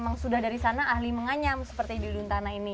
memang sudah dari sana ahli menganyam seperti di duntana ini